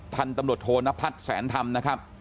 ท่านตำรวจโทนพัดท์แสนธรรมนะครับ